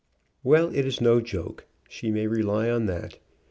Well, it is no joke, she may rely on that.